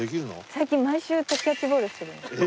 最近毎週キャッチボールしてるんです。